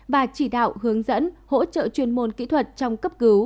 và chỉ đạo hướng dẫn hỗ trợ chuyên môn kỹ thuật trong cấp cứu